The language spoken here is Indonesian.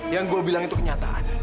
yang gue bilang itu kenyataan